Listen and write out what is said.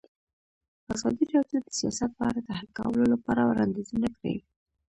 ازادي راډیو د سیاست په اړه د حل کولو لپاره وړاندیزونه کړي.